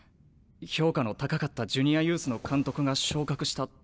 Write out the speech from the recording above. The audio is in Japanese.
評価の高かったジュニアユースの監督が昇格したとか。